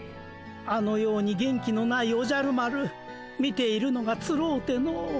あのように元気のないおじゃる丸見ているのがつろうての。